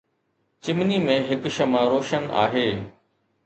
چمني ۾ هڪ شمع روشن آهي